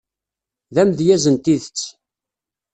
D amedyaz n tidet.